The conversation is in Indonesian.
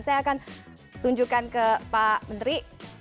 saya akan tunjukkan ke pak menteri